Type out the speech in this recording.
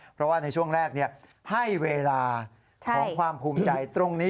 เพราะว่าในช่วงแรกให้เวลาของความภูมิใจตรงนี้